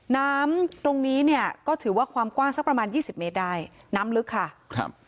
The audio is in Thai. น้ำตรงนี้เนี่ยก็ถือว่าความกว้างสักประมาณยี่สิบเมตรได้น้ำลึกค่ะครับ